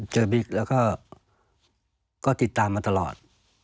บิ๊กแล้วก็ติดตามมาตลอด